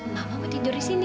mama tidur di sini